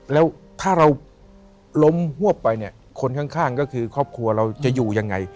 แล้วถ้าเราล้มฮวบไปเนี่ยคนข้างก็คือครอบครัวเราจะอยู่ยังไง